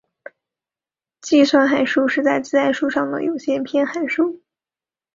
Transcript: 计算函数是在自然数上的有限偏函数。